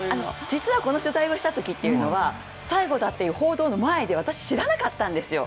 実はこの取材をしたときというのは最後だという報道の前で、私、知らなかったんですよ。